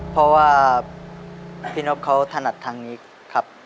เพราะว่าพี่นบเขาถนัดทางนี้ครับ